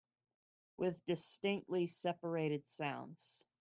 With distinctly separated sounds.